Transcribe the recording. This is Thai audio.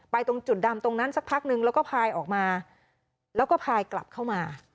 ตรงจุดดำตรงนั้นสักพักนึงแล้วก็พายออกมาแล้วก็พายกลับเข้ามา